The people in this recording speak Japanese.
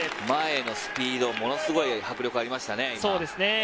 前のスピード、ものすごい迫力がありましたね。